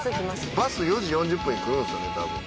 バス４時４０分に来るんですよねたぶん。